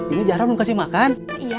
ini jarang dikasih makan